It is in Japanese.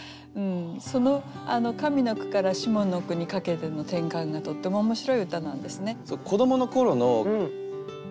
その上の句から下の句にかけての転換がとっても面白い歌なんですね。